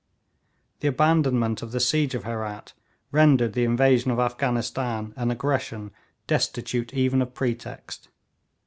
The abandonment of the siege of Herat rendered the invasion of Afghanistan an aggression destitute even of pretext.